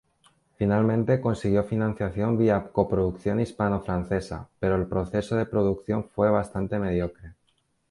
Finalmente consiguió financiación vía coproducción hispano-francesa pero el proceso de producción fue bastante mediocre.